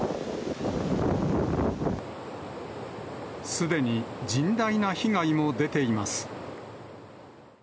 すでに甚大な被害も出ています。